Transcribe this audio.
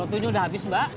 rotunya udah habis mbak